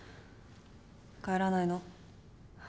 帰らないの？